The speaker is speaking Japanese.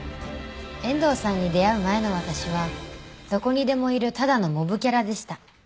遠藤さんに出会う前の私はどこにでもいるただのモブキャラでした。